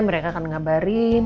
mereka akan ngabarin